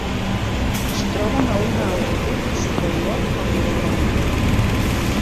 Es troben a una altitud superior al nivell del mar.